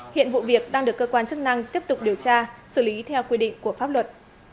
hiện vụ việc đang được cơ quan chức năng tiếp tục điều tra xử lý theo quy định của pháp luật